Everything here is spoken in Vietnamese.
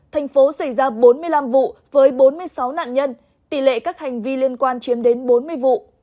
thành phố xảy ra bốn mươi năm vụ với bốn mươi sáu nạn nhân tỷ lệ các hành vi liên quan chiếm đến bốn mươi vụ